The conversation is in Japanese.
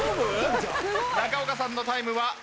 中岡さんのタイムは。